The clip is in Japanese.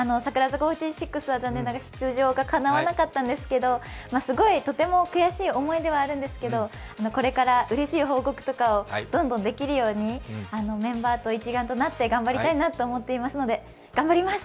櫻坂４６は残念ながら出場がかなわなかったんですけどすごいとても悔しい思いではあるんですけど、これからうれしい報告をどんどんできるようにメンバーと一丸となって頑張りたいなと思っているので、頑張ります！